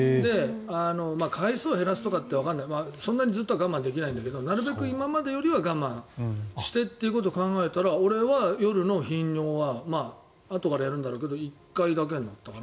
回数を減らすとかわからないけどそんなにずっとは我慢できないんだけど今までよりは我慢してということを考えたら俺は夜の頻尿はあとからやるんだろうけど１回だけになったかな。